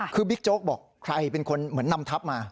คือบิ๊กโจ๊กบอกใครเป็นคนเหมือนนำทัพมา